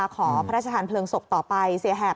ขอพระราชทานเพลิงศพต่อไปเสียแหบ